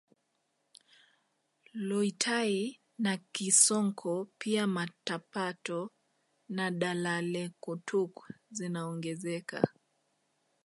Loitai na Kisonko pia Matapato na Dalalekutuk zinaongezeka